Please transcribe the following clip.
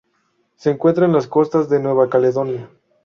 Se encuentra en las costas de Nueva Caledonia.